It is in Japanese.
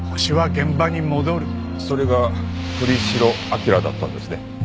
それが栗城明良だったんですね？